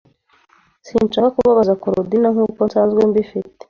Sinshaka kubabaza Korodina nkuko nsanzwe mbifite.